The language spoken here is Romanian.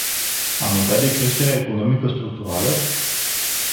Am uitat de creșterea economică structurală?